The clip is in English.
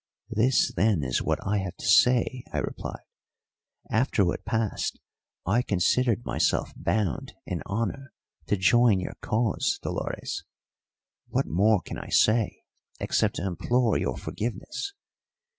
"This, then, is what I have to say," I replied. "After what passed I considered myself bound in honour to join your cause, Dolores. What more can I say except to implore your forgiveness?